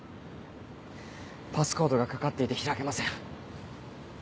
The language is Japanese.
パスコードが掛かっていて開けません。